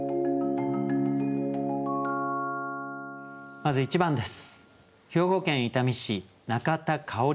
まず１番です。